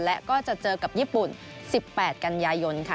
และก็จะเจอกับญี่ปุ่น๑๘กันยายนค่ะ